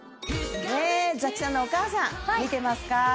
ザキさんのお母さん見てますか？